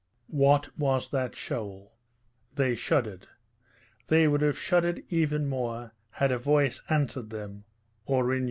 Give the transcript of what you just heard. What was that shoal? They shuddered. They would have shuddered even more had a voice answered them Aurigny.